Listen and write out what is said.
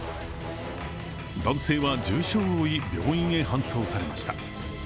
男性は重傷を負い、病院に搬送されました。